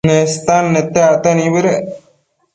Nestan nete acte nibëdec